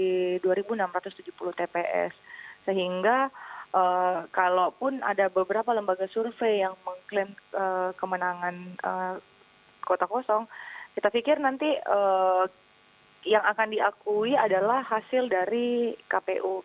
kita mencari data dari satu ratus tujuh puluh tps sehingga kalau pun ada beberapa lembaga survei yang mengklaim kemenangan kota kosong kita pikir nanti yang akan diakui adalah hasil dari kpu